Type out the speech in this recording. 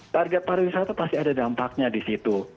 target pariwisata pasti ada dampaknya di situ